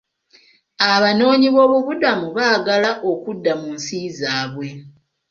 Abanoonyi boobubudamu baagala okudda mu nsi zaabwe.